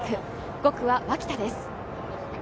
５区は脇田です。